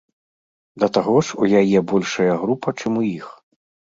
Да таго ж, у яе большая група, чым у іх.